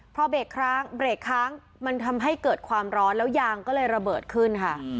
พอเบรกค้างเบรกค้างมันทำให้เกิดความร้อนแล้วยางก็เลยระเบิดขึ้นค่ะ